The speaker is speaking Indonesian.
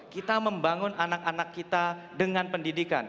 kita membangun anak anak kita dengan pendidikan